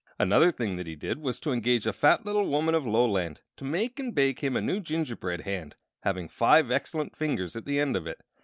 Another thing he did was to engage a fat little woman of Loland to make and bake him a new gingerbread hand, having five excellent fingers at the end of it.